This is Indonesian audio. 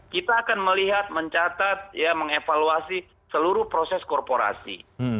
kita akan melihat mencatat mengevaluasi seluruh proses korporasi